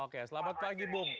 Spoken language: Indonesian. oke selamat pagi bung